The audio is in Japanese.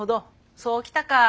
そうきたか。